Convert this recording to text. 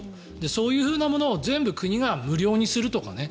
そういうものを全部国が無料にするとかね。